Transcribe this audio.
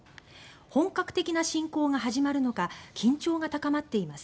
本格的な侵攻が始まるのか緊張が高まっています。